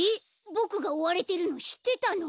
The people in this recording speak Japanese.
ボクがおわれてるのしってたの？